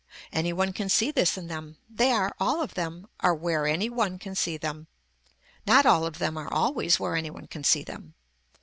Any one can see this in them, they are, all of them are where any one can see them. Not all of them are always where any one can see them.